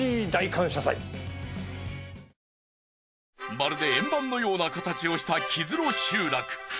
まるで円盤のような形をした木津呂集落。